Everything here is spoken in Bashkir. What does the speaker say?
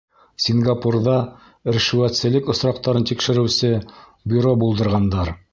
Сингапурҙа ришүәтселек осраҡтарын тикшереүсе бюро булдырғандар.